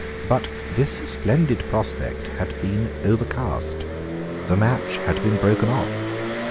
But this splendid prospect had been overcast. The match had been broken off.